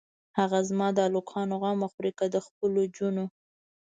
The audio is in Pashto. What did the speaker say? هه زما د الکانو غمه خورې که د خپلو جونو.